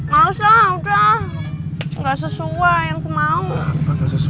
masa udah nggak sesuai yang aku mau